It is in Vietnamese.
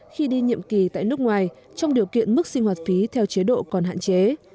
khi đi nhiệm kỳ tại nước ngoài trong điều kiện mức sinh hoạt phí theo chế độ còn hạn chế